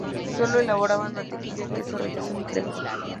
Sólo elaboraban mantequilla, queso, requesón y crema.